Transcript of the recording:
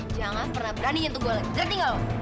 jangan pernah berani nyentuh gue lagi ngerti gak lo